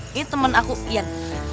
ini temen aku ian